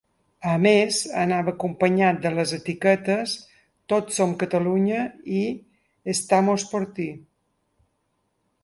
A més, anava acompanyat de les etiquetes ‘tots som Catalunya’ i ‘estamos por ti‘.